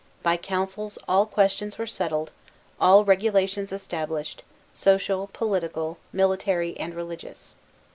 By councils all questions were settled, all regulations established, social, political, military, and religious.